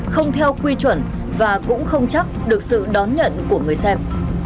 không theo quy chuẩn và cũng không chắc được sự đón nhận của người xem